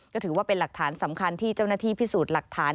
ก็ถือว่าเป็นหลักฐานสำคัญที่เจ้าหน้าที่พิสูจน์หลักฐาน